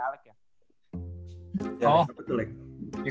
ya apa tuh lek